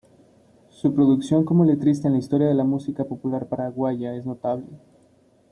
Su producción como letrista en la historia de la música popular paraguaya es notable.